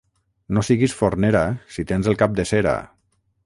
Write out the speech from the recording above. No siguis fornera, si tens el cap de cera.